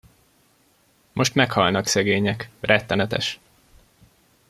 Most meghalnak szegények, rettenetes!